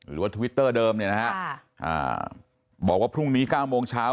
ทวิตเตอร์เดิมเนี่ยนะฮะบอกว่าพรุ่งนี้๙โมงเช้า